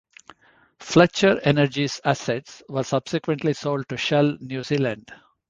Fletcher Energy's assets were subsequently sold to Shell New Zealand.